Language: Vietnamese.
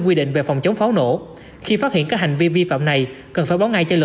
quy định về phòng chống pháo nổ khi phát hiện các hành vi vi phạm này cần phải báo ngay cho lực lượng